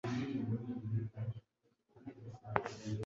binyuze mu nyoni buri gitondo